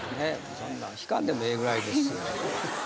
そんなん敷かんでもええぐらいですよ